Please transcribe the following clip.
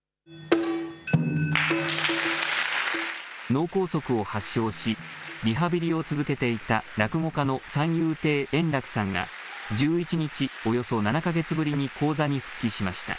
脳梗塞を発症し、リハビリを続けていた落語家の三遊亭円楽さんが１１日、およそ７か月ぶりに高座に復帰しました。